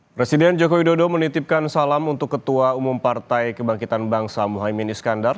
presiden joko widodo menitipkan salam untuk ketua umum partai kebangkitan bangsa muhaymin iskandar